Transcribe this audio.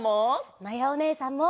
まやおねえさんも！